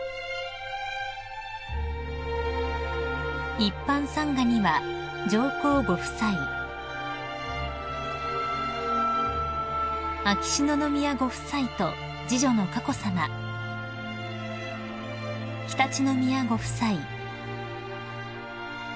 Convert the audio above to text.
［一般参賀には上皇ご夫妻秋篠宮ご夫妻と次女の佳子さま常陸宮ご夫妻］